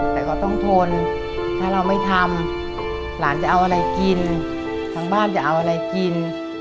แต่ก็ต้องทนถ้าเราไม่ทำหลานจะเอาอะไรกินทางบ้านจะเอาอะไรกิน